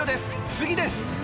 次です。